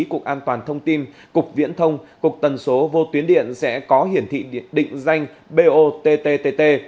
cục an toàn thông tin cục viễn thông cục tần số vô tuyến điện sẽ có hiển thị định danh botttttt